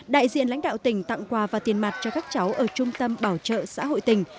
đại diện lãnh đạo tỉnh tặng quà và tiền mặt cho các cháu ở trung tâm bảo trợ xã hội tỉnh